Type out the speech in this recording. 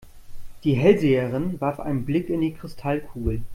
Die Hellseherin warf einen Blick in die Kristallkugel.